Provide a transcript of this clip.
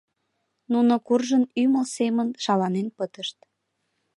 Нуно куржын, ӱмыл семын шаланен пытышт.